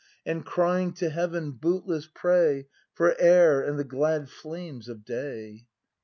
And crying to heaven, bootless pray For air and the glad flames of day